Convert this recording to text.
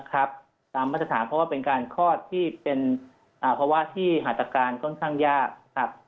ตามมาตรฐานเพราะว่าเป็นการคลอดที่เป็นภาวะที่หัตการค่อนข้างยากครับ